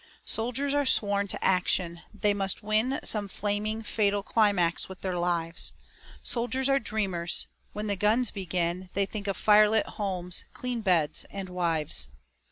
Soldiers are sworn to action; they must win Some flaming, fatal climax with their lives. Soldiers are dreamers; when the guns begin They think of firelit homes, clean beds, and wives.